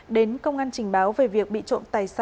đến công an trình báo về việc trộm cắp tài sản